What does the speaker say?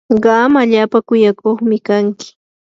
qam allaapa kuyakuqmi kanki.